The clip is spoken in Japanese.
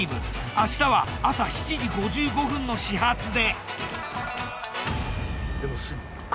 明日は朝７時５５分の始発で。